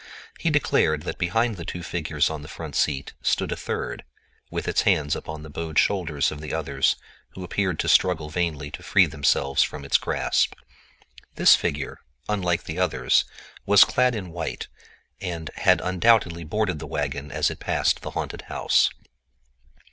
He declared that behind the two figures on the front seat stood a third, with its hands upon the bowed shoulders of the others, who appeared to struggle vainly to free themselves from its grasp. This figure, unlike the others, was clad in white, and had undoubtedly boarded the wagon as it passed the haunted house.